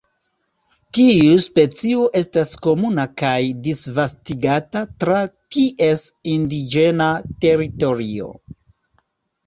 Tiu specio estas komuna kaj disvastigata tra ties indiĝena teritorio.